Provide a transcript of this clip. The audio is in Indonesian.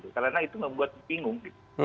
karena itu membuat bingung